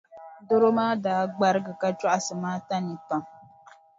Dɔro maa daa gbarigi ka chɔɣisi Maata nii pam.